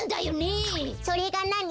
それがなに？